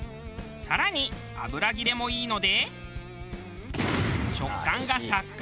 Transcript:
更に油切れもいいので。